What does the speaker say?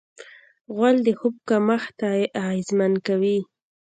غول د خوب کمښت اغېزمن کوي.